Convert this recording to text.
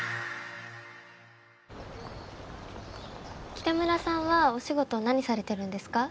北村さんはお仕事何されてるんですか？